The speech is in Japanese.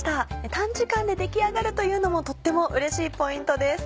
短時間で出来上がるというのもとってもうれしいポイントです。